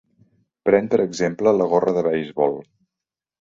Pren per exemple, la gorra de beisbol.